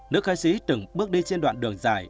nữ khai sĩ từng bước đi trên đoạn đường dài